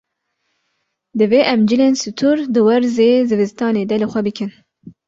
Divê em cilên stûr di werzê zivistanê de li xwe bikin.